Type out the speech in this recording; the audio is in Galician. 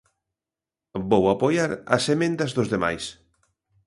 Vou apoiar as emendas dos demais.